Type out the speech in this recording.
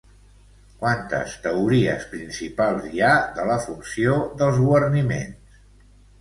Quantes teories principals hi ha de la funció dels guarniments?